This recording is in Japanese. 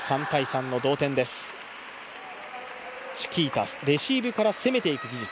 チキータ、レシーブから攻めていく技術。